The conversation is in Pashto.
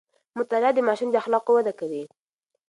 مطالعه د ماشوم د اخلاقو وده کوي.